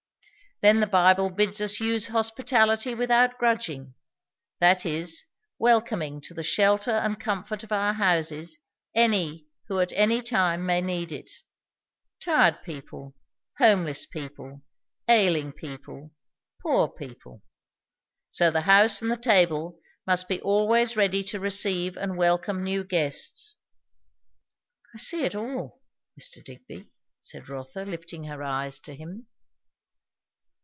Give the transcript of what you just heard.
"Then the Bible bids us use hospitality without grudging. That is, welcoming to the shelter and comfort of our houses any who at any time may need it. Tired people, homeless people, ailing people, poor people. So the house and the table must be always ready to receive and welcome new guests." "I see it all, Mr. Digby," said Rotha, lifting her eyes to him.